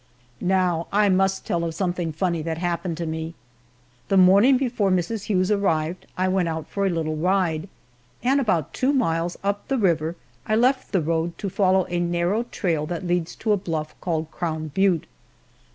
Now I must tell of something funny that happened to me. The morning before Mrs. Hughes arrived I went out for a little ride, and about two miles up the river I left the road to follow a narrow trail that leads to a bluff called Crown Butte.